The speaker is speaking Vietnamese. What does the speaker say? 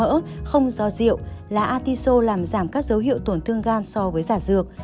bổ sung do rượu lá artiso làm giảm các dấu hiệu tổn thương gan so với giả dược